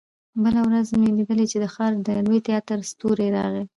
بله ورځ مې ولیدل چې د ښار د لوی تياتر ستورى راغی.